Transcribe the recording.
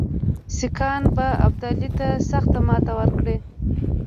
سیکهان به ابدالي ته سخته ماته ورکړي.